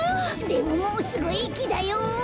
でももうすぐえきだよ！